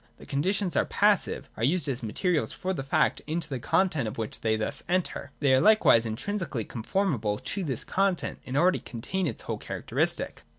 (3) The conditions are passive, are used as materials for the fact, into the content of which they thus enter. They are likewise intrinsically conformable to this content, and already contain its whole characteristic.